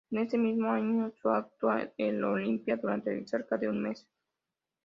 En este mismo año su actúa el Olympia durante cerca de un mes.